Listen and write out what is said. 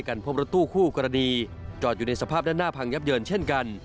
และพันธมรวจโถอภิชาชโคชเฉอเวศ